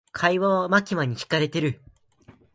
会話はマキマに聞かれている。